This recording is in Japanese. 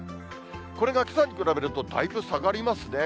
これがけさに比べるとだいぶ下がりますね。